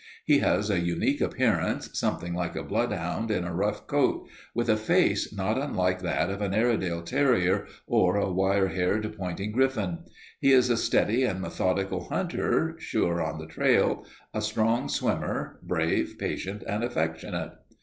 He has a unique appearance, something like a bloodhound in a rough coat, with a face not unlike that of an Airedale terrier or a wire haired pointing griffon. He is a steady and methodical hunter, sure on the trail, a strong swimmer, brave, patient, and affectionate.